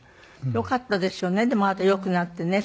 よかったですよねでもあなたよくなってね。